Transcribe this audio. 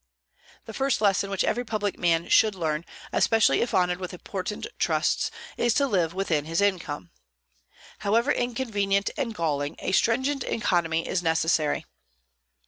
The first lesson which every public man should learn, especially if honored with important trusts, is to live within his income. However inconvenient and galling, a stringent economy is necessary.